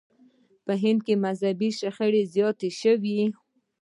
په هند کې مذهبي شخړې زیاتې شوې.